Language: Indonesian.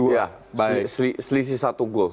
ya selisih satu gol